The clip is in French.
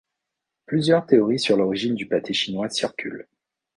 Plusieurs théories sur l'origine du pâté chinois circulent.